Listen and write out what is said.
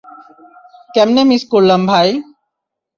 কেমনে মিস করলাম ভাই?